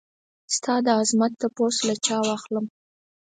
ستا دعظمت تپوس له چا واخلم؟